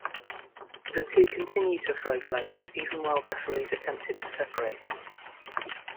The two continued to throw blows even while referees attempted to separate them.